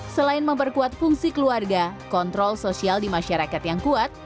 selain memperkuat fungsi keluarga kontrol sosial di masyarakat yang kuat